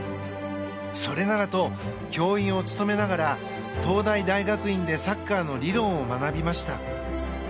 それならと教員を務めながら東大大学院でサッカーの理論を学びました。